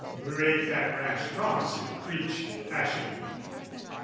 "Break that rash promise to preach, Passion week!